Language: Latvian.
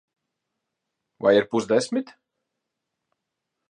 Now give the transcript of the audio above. Vai ir pusdesmit?